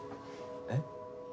えっ？